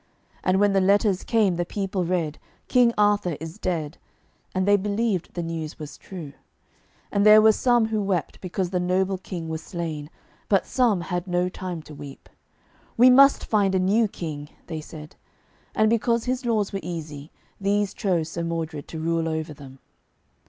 And when the letters came the people read, 'King Arthur is dead,' and they believed the news was true. And there were some who wept because the noble King was slain, but some had no time to weep. 'We must find a new King,' they said. And because his laws were easy, these chose Sir Modred to rule over them.